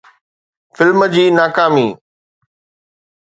film جي ناڪامي